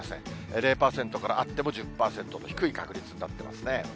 ０％からあっても１０％と、低い確率になってますね。